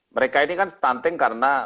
mereka ini kan stunting karena